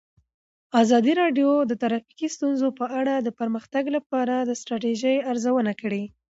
ازادي راډیو د ټرافیکي ستونزې په اړه د پرمختګ لپاره د ستراتیژۍ ارزونه کړې.